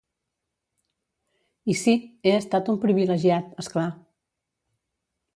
I sí, he estat un privilegiat, és clar.